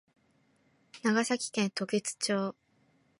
長崎県時津町